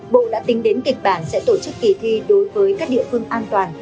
bộ đã tính đến kịch bản sẽ tổ chức kỳ thi đối với các địa phương an toàn